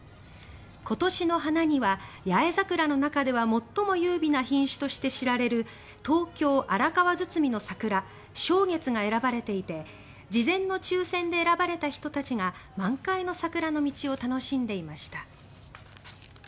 今年の花にはヤエザクラの中でも最も優美な品種として知られる東京・荒川堤の桜松月が選ばれていて事前の抽選で選ばれた人たちが満開の桜の道を楽しんでいました。